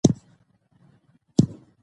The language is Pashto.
ژورې سرچینې د افغانانو د ژوند طرز اغېزمنوي.